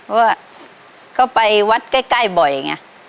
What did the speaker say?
เพราะว่าก็ไปวัดใกล้บ่อยไง